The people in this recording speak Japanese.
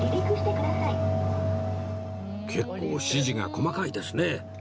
結構指示が細かいですね